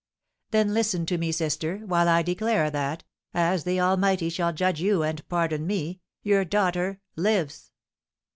"Then listen to me, sister, while I declare that, as the Almighty shall judge you and pardon me, your daughter lives!"